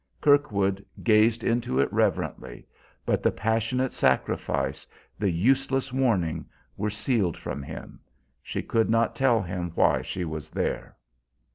Kirkwood gazed into it reverently, but the passionate sacrifice, the useless warning, were sealed from him. She could not tell him why she was there.